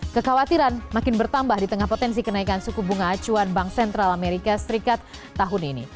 kekhawatiran makin bertambah di tengah potensi kenaikan suku bunga acuan bank sentral amerika serikat tahun ini